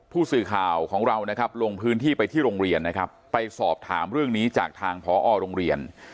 ผู้สื่อข่าวของเรานะครับลงพื้นที่ไปที่โรงเรียนนะครับไปสอบถามเรื่องนี้จากทางพอโรงเรียน